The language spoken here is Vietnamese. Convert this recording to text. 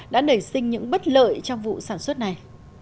đã nảy sinh những bất lợi trong vụ sản xuất này